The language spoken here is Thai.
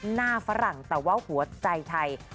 ฝรั่งแต่ว่าหัวใจไทย